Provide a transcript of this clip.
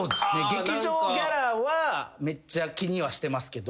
劇場ギャラはめっちゃ気にはしてますけど。